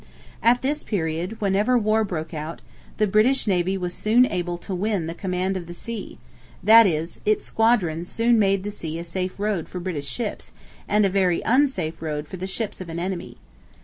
At this period, whenever war broke out, the British navy was soon able to win 'the command of the sea'; that is, its squadrons soon made the sea a safe road for British ships and a very unsafe road for the ships of an enemy.